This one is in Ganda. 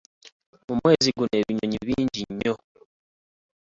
Mu mwezi guno ebinyonyi bingi nnyo.